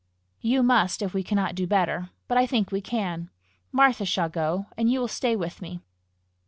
"You must, if we cannot do better. But I think we can. Martha shall go, and you will stay with me.